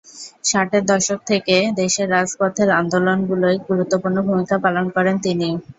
ষাটের দশক থেকে দেশের রাজপথের আন্দোলনগুলোয় গুরুত্বপূর্ণ ভূমিকা পালন করেন তিনি।